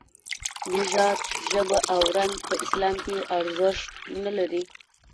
نژاد، ژبه او رنګ په اسلام کې ارزښت نه لري.